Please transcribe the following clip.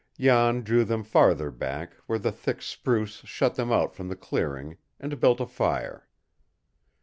Jan drew them farther back, where the thick spruce shut them out from the clearing, and built a fire.